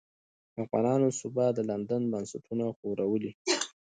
د افغانانو سوبه د لندن بنسټونه ښورولې.